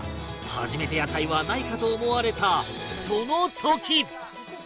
初めて野菜はないかと思われた